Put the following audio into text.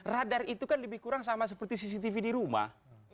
radar itu kan lebih kurang sama seperti cctv di rumah